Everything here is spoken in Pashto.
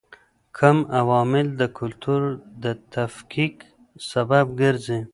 کوم عوامل د کلتور د تفکیک سبب ګرځي؟